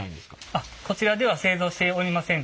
あっこちらでは製造しておりません。